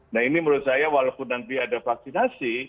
nah ini menurut saya walaupun nanti ada vaksinasi